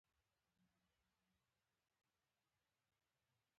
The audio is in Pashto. چې زنانه دې روزانه د ملا مضبوطولو دوه